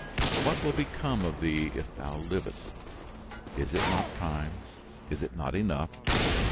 What will become of thee if thou livest! Is it not time? Is it not enough?